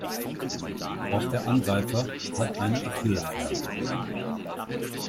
Auch der Angreifer hat eine Achillesferse.